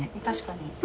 確かに。